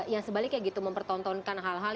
yang sebaliknya gitu mempertontonkan hal hal